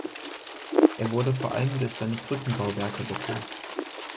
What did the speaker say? Er wurde vor allem durch seine Brückenbauwerke bekannt.